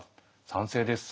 賛成です。